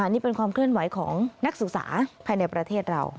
นี่เป็นความเคลื่อนไหวของนักศึกษาภายในประเทศเรา